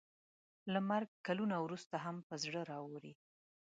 له مرګ کلونه وروسته هم په زړه راووري.